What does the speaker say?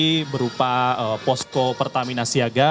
energi berupa posco pertamina siaga